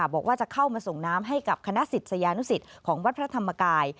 บอกว่าจะเข้ามาส่งน้ำให้กับคณะศิษยานุสิตของวัดพระธรรมกาย